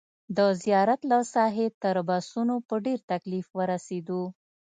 د زیارت له ساحې تر بسونو په ډېر تکلیف ورسېدو.